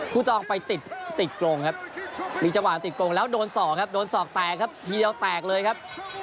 ตองไปติดติดกรงครับมีจังหวะติดกรงแล้วโดนศอกครับโดนศอกแตกครับเทียวแตกเลยครับ